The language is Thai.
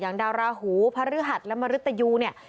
อย่างดาราหูพระฤาษณ์และมริตยูเนี่ย